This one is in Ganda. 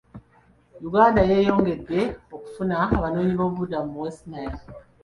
Uganda yeeyongedde okufuna abanoonyiboobubudamu mu West Nile.